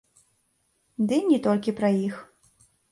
Дый не толькі пра іх.